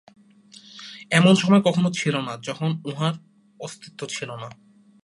এমন সময় কখনও ছিল না, যখন উহার অস্তিত্ব ছিল না।